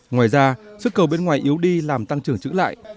ngoài ra sức cầu bên ngoài yếu đi làm tăng trưởng chữ lại